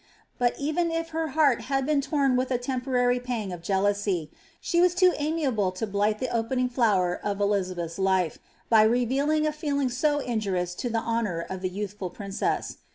But even if ber heart had been torn with a temporary pans of jealousy, she was too amiable to blight the opening (lower of Elizabeth's life, by revealing • feeling so injurious to the honour of the youthful princess.